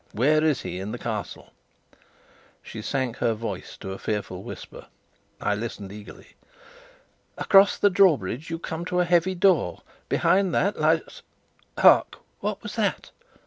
Where is he in the Castle?" She sank her voice to a fearful whisper. I listened eagerly. "Across the drawbridge you come to a heavy door; behind that lies Hark! What's that?"